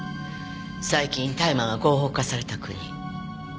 最近大麻が合法化された国。